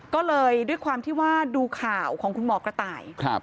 ก็เลยด้วยความที่ว่าดูข่าวของคุณหมอกระต่าย